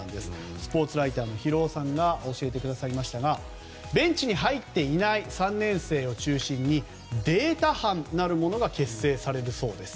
スポーツライターの広尾さんが教えてくれましたがベンチに入っていない３年生を中心にデータ班なるものが結成されるそうです。